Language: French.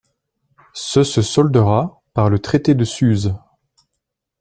Ce se soldera par le Traité de Suse.